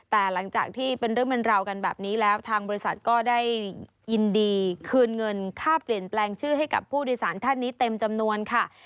แต่หลังจากที่เป็นเรื่องเป็นราวกันแบบนี้แล้วทางบริษัทก็ได้ยินดีคืนเงินค่าเปลี่ยนแปลงชื่อให้กับผู้โดยสารท่านนี้เต็มจำนวนค่ะ